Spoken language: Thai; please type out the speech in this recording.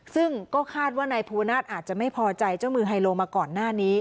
ซึ่งก็คาดว่านายภูวนาศอาจจะไม่พอใจเจ้ามือไฮโลมาก่อนหน้านี้